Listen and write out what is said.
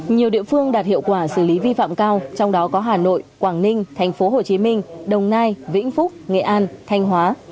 nhiều địa phương đạt hiệu quả xử lý vi phạm cao trong đó có hà nội quảng ninh thành phố hồ chí minh đồng nai vĩnh phúc nghệ an thanh hóa